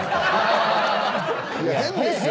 変ですよ。